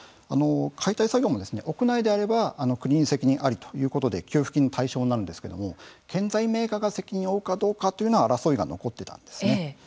解体作業も屋内であれば国に責任ありということで給付金の対象になるんですけども建材メーカーが責任を負うかどうかというのは争いが残っていたんです。